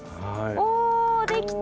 おできた！